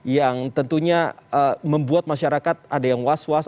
yang tentunya membuat masyarakat ada yang was was